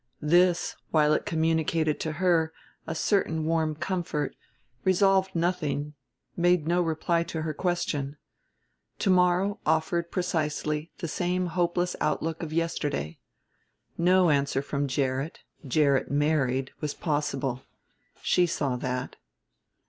This, while it communicated to her a certain warm comfort, resolved nothing, made no reply to her question. To morrow offered precisely the same hopeless outlook of yesterday. No answer from Gerrit, Gerrit married, was possible. She saw that.